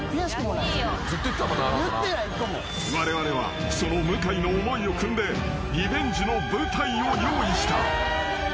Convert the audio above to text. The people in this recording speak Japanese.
［われわれはその向井の思いを酌んでリベンジの舞台を用意した］